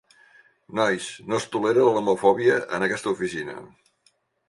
Nois, no es tolera l'homofòbia en aquesta oficina.